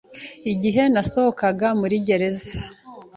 Igihe nasohokaga muri gereza,